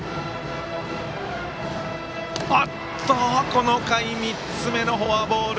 この回３つ目のフォアボール。